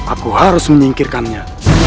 aku harus menyingkirkannya